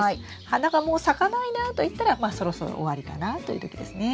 花がもう咲かないなといったらまあそろそろ終わりかなという時ですね。